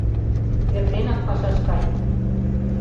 Эрденак пашаш кай